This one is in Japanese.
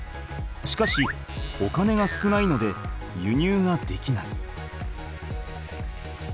しかしお金が少ないので輸入ができない。